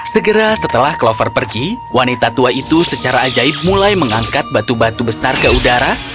segera setelah clover pergi wanita tua itu secara ajaib mulai mengangkat batu batu besar ke udara